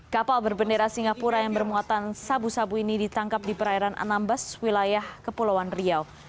kapal berbendera singapura yang bermuatan sabu sabu ini ditangkap di perairan anambas wilayah kepulauan riau